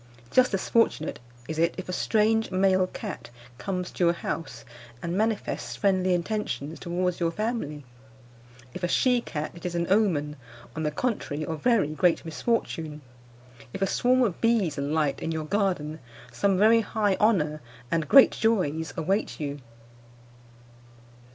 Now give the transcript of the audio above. Just as fortunate is it if a strange male cat comes to your house and manifests friendly intentions towards your family. If a she cat, it is an omen, on the contrary, of very great misfortune. If a swarm of bees alight in your garden, some very high honour and great joys await you.